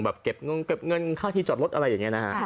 เก็บงงเก็บเงินค่าที่จอดรถอะไรอย่างนี้นะฮะ